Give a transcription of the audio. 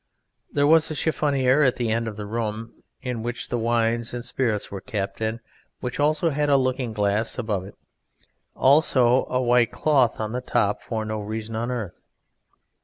There was a Chiffonier at the end of the room in which the wines and spirits were kept, and which also had a looking glass above it; also a white cloth on the top for no reason on earth.